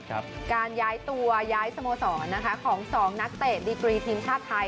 การย้ายตัวย้ายสโมสรของ๒นักเตะดีกรีทีมชาติไทย